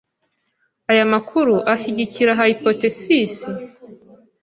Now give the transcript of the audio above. Aya makuru ashyigikira hypothesis.